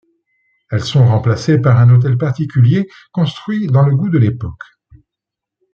Elles sont remplacées par un hôtel particulier construit dans le goût de l'époque.